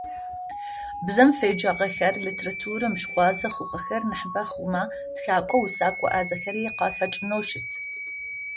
Бзэм феджагъэхэр, литературэм щыгъуазэ хъугъэхэр нахьыбэ хъумэ тхэкӏо-усэкӏо ӏазэхэри къахэкӀынэу щыт.